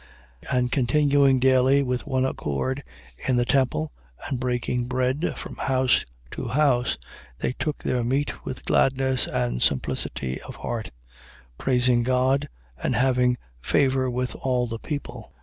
2:46. And continuing daily with one accord in the temple and breaking bread from house to house, they took their meat with gladness and simplicity of heart: 2:47. Praising God and having favour with all the people.